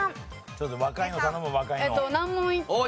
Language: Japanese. ちょっと若いの頼む若いの。